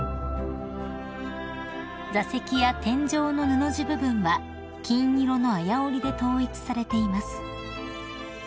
［座席や天井の布地部分は金色のあや織りで統一されています］